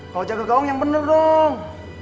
kalo jaga gaung yang bener dong